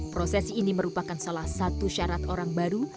prosesi ini merupakan salah satu syarat orang baru